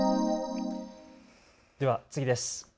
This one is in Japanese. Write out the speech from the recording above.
では次です。